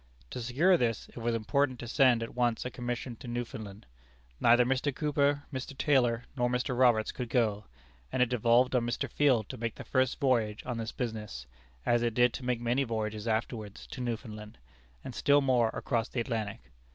To secure this it was important to send at once a commission to Newfoundland. Neither Mr. Cooper, Mr. Taylor, nor Mr. Roberts could go; and it devolved on Mr. Field to make the first voyage on this business, as it did to make many voyages afterwards to Newfoundland, and still more across the Atlantic.